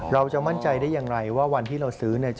เราจะมั่นใจได้อย่างไรว่าวันที่เราซื้อเนี่ย